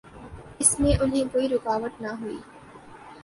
اس میں انہیں کوئی رکاوٹ نہ ہوئی۔